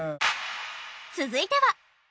続いては。